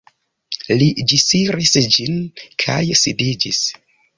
Li ĝisiris ĝin kaj sidiĝis.